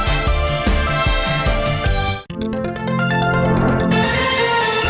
โปรดติดตามตอนต่อไป